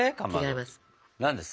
違います。